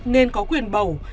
nên có quyền bầu